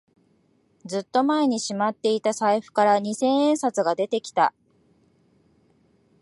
ずっと前にしまっていた財布から二千円札が出てきた